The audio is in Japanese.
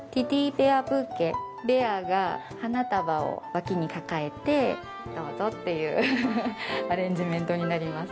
ベアが花束を脇に抱えて「どうぞ」っていうアレンジメントになります。